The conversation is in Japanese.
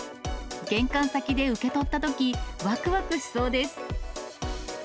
玄関先で受け取ったとき、わくわくしそうです。